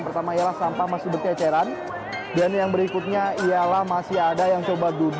terima kasih biasanya ini empat belas lima puluh